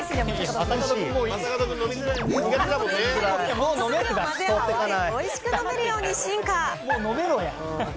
お薬を混ぜておいしく飲めるように進化。